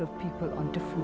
dan perkembangan ini